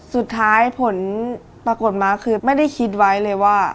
สุดท้ายผลปรากฏมาคือไม่ได้คิดไว้เลยว่า